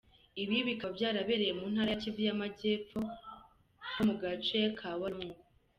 Ibi bikaba byabereye mu Ntara ya Kivu y’Amajyepfo ho mu gace ka Walungu.